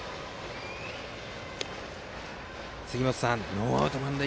杉本さん、ノーアウト満塁。